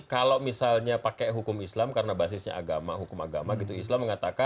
kalau misalnya pakai hukum islam karena basisnya agama hukum agama gitu islam